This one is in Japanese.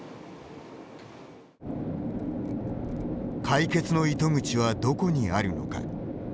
解決の糸口は、どこにあるのか。